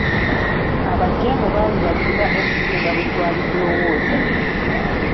Abajeemu baali bazira okusinga bwe twali tulowooza.